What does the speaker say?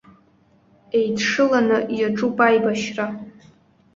Еидшыланы иаҿуп аибашьра.